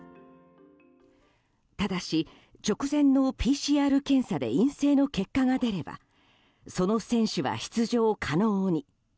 ただし、直前のＰＣＲ検査で陰性の結果が出ればその選手は出場可能に。